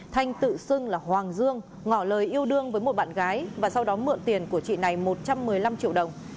thanh tự xưng là hoàng dương ngỏ lời yêu đương với một bạn gái và sau đó mượn tiền của chị này một trăm một mươi năm triệu đồng